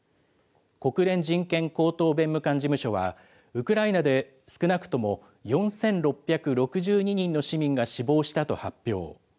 国連人権高等弁務官事務所は、ウクライナで少なくとも４６６２人の市民が死亡したと発表。